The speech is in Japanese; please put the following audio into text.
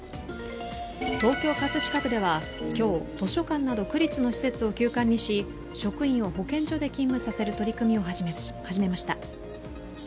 東京・葛飾区では今日図書館など区立の施設を休館にし職員を保健所に勤務させる取り組みを始めました。